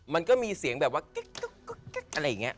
มันก็มีเสียงแบบว่ากิ๊กอะไรอย่างนี้